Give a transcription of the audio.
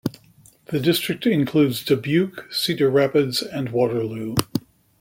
The district includes Dubuque, Cedar Rapids, and Waterloo.